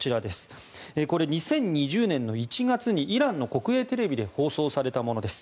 これは２０２０年の１月にイランの国営テレビで放送されたものです。